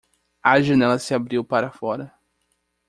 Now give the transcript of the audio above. A janela se abriu para fora.